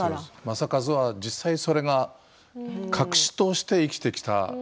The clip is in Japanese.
正一は実際それを隠し通して生きてきた。